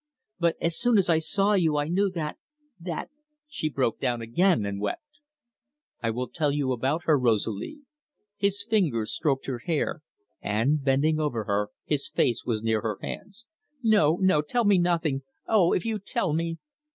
"But, as soon as I saw you, I knew that that " She broke down again and wept. "I will tell you about her, Rosalie " His fingers stroked her hair, and, bending over her, his face was near her hands. "No, no, tell me nothing oh, if you tell me!